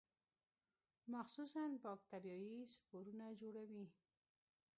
مخصوص باکتریاوې سپورونه جوړوي.